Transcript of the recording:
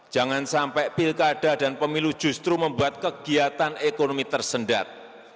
jangan sampai pilkada dan pemilu justru membuat kegiatan ekonomi tersendat